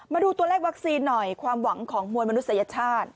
มาดูตัวเลขวัคซีนหน่อยความหวังของมวลมนุษยชาติ